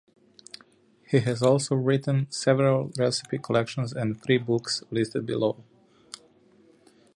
He has also written several recipe collections and three books, listed below.